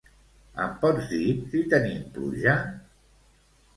Em pots dir si tenim pluja?